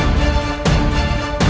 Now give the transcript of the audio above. aku akan mencari dia